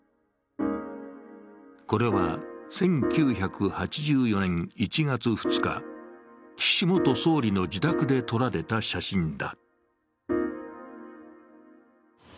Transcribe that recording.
これは１９８４年１月２日、岸元総理の自宅で撮られた写真だ。